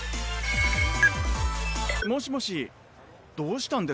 もしもしどうしたんです？